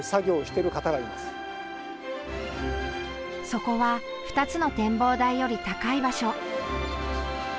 そこは２つの展望台より高い場所。